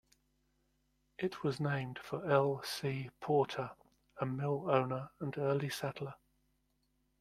It was named for L. C. Porter, a mill owner and early settler.